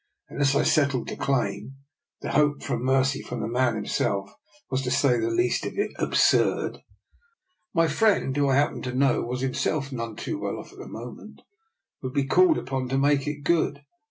Unless I settled the claim (to hope for mercy from the man him self was, to say the least of it, absurd), my friend, who, I happened to know, was himself none too well off at the moment, would be called upon to make it good.